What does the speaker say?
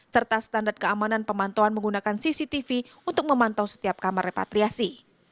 serta standar keamanan pemantauan menggunakan cctv untuk memantau setiap kamar repatriasi